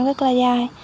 rất là dài